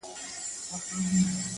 گلابي شونډي يې د بې په نوم رپيږي _